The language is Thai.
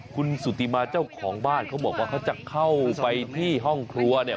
คุณสุธิมาเจ้าของบ้านเขาบอกว่าเขาจะเข้าไปที่ห้องครัวเนี่ย